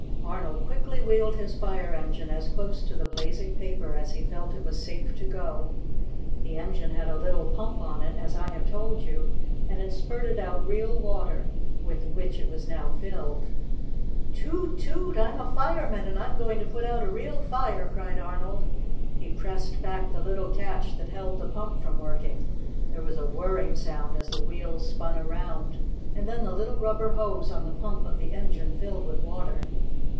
Arnold quickly wheeled his fire engine as close to the blazing paper as he felt it was safe to go. The engine had a little pump on it, as I have told you, and it spurted out real water, with which it was now filled. "Toot! Toot! I'm a fireman, and I'm going to put out a real fire!" cried Arnold. He pressed back the little catch that held the pump from working. There was a whirring sound as the wheels spun around, and then the little rubber hose on the pump of the engine filled with water.